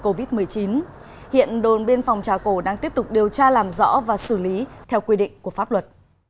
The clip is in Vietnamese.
covid một mươi chín hiện đồn biên phòng trà cổ đang tiếp tục điều tra làm rõ và xử lý theo quy định của pháp luật